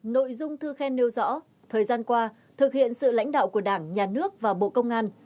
nội dung thư khen nêu rõ thời gian qua thực hiện sự lãnh đạo của đảng nhà nước và bộ công an